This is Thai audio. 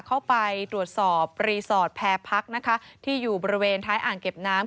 เข้าไปตรวจสอบรีสอร์ทแพรพักนะคะที่อยู่บริเวณท้ายอ่างเก็บน้ำ